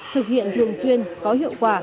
thực hiện thường xuyên có hiệu quả